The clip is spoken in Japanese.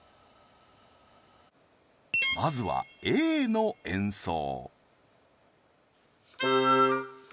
まずはＡの演奏